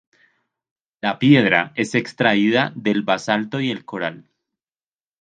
La piedra es extraída del basalto y el coral.